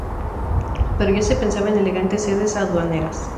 Pero ya se pensaba en elegantes sedes aduaneras.